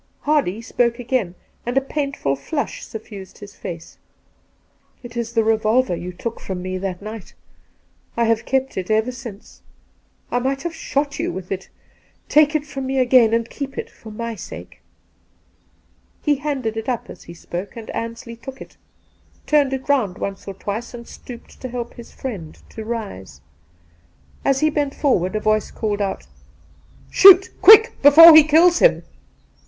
Hardy spoke again, and a painful flush suffused his face. ' It is the revolver you took from me that night. I have kept it ever since. I might have shot you with it. Take it from me again, and keep it, for my sake !' He handed it up as he spoke, and Ansley took it, turned it round once or twice, and stooped to help his friend to rise. Two Christmas Days 229 As he bent forward, a voice. called out :' Shoot quick, before he kills him